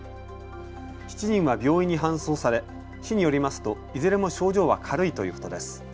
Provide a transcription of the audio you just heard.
７人は病院に搬送され市によりますと、いずれも症状は軽いということです。